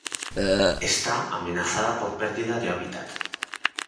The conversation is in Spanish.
Está amenazada por perdida de hábitat.